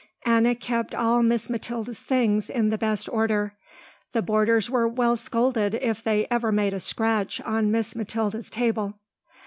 Anna kept all Miss Mathilda's things in the best order. The boarders were well scolded if they ever made a scratch on Miss Mathilda's table.